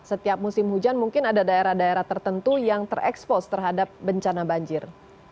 setiap musim hujan mungkin ada daerah daerah tertentu yang terekspos terhadap bencana banjir